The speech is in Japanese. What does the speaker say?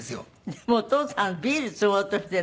でもお父さんビールつごうとしているの？